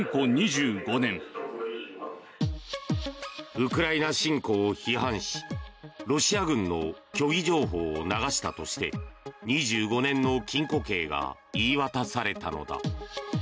ウクライナ侵攻を批判しロシア軍の虚偽情報を流したとして２５年の禁錮刑が言い渡されたのだ。